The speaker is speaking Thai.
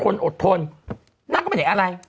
นางก็ไม่เห็นอะไร